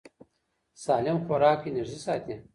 سالم خوراک انرژي ساتي.